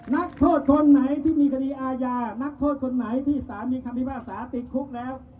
นักโทษคนไหนที่มีคดีอาญานักโทษคนไหนที่สารมีคำพิพากษาติดคุกแล้ว